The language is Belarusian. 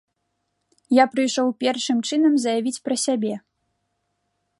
Я прыйшоў першым чынам заявіць пра сябе.